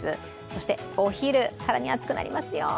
そしてお昼、更に暑くなりますよ。